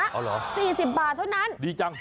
อ๋อเหรอดีจังสี่สิบบาทเท่านั้น